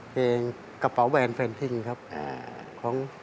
เพลงกระเป๋าแวนเพียรติกับพริกครับ